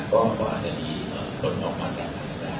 ก็อาจจะมีคนพอความแก่งกันได้